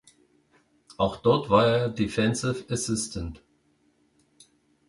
Auch dort war er Defensive Assistant.